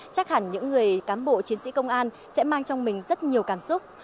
chắc hẳn những người cám bộ chiến sĩ công an sẽ mang trong mình rất nhiều cảm xúc